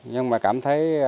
nhưng mà cảm thấy